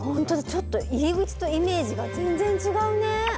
ちょっと入り口とイメージが全然違うね。